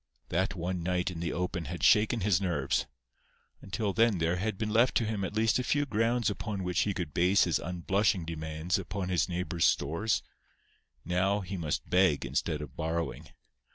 That one night in the open had shaken his nerves. Until then there had been left to him at least a few grounds upon which he could base his unblushing demands upon his neighbours' stores. Now he must beg instead of borrowing.